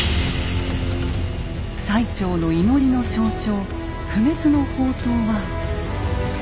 最澄の祈りの象徴不滅の法灯は。